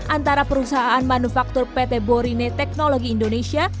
antara perusahaan manufaktur pt borine teknologi indonesia